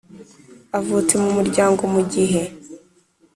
avutse mu muryango mu gihe